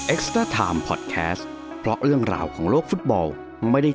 เอ็กซ์ทามพอดแคสพล็อกเรื่องราวของโลกฟุตบอลไม่ได้